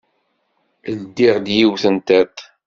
Ldiɣ-d yiwet n tiṭ.